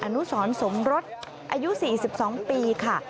อนุสรสมรสอายุ๔๒ปีค่ะ